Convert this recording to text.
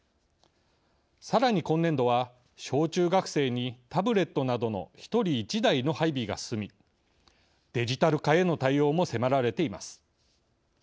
さらに今年度は小中学生にタブレットなどの１人１台の配備が進みデジタル化への対応も迫られています。